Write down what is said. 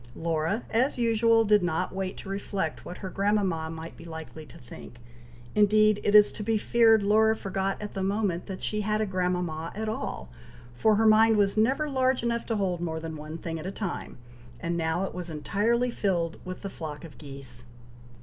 Laura, as usual, did not wait to reflect what her grandmama might be likely to think; indeed it is to be feared Laura forgot at the moment that she had a grandmama at all, for her mind was never large enough to hold more than one thing at a time, and now it was entirely filled with the flock of geese.